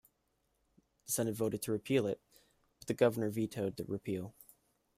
The Senate voted to repeal it, but the Governor vetoed the repeal.